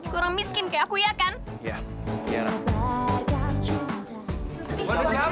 kurang miskin kayak aku ya kan